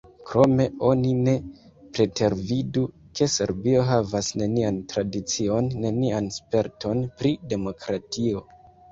Krome oni ne pretervidu, ke Serbio havas nenian tradicion, nenian sperton pri demokratio.